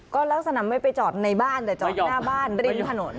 ก็ลักษณะไม่ไปจอดในบ้านแต่จอดอยู่หน้าบ้านริมถนน